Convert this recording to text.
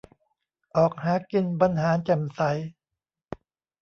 "ออกหากินบรรหารแจ่มใส"